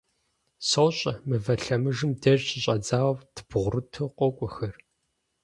– СощӀэ, Мывэ Лъэмыжым деж щыщӀэдзауэ дбгъурыту къокӀуэхэр.